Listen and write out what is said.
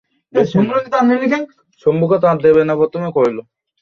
আর সামলানোর জন্য থাকে কেবল এক ড্রাইভার।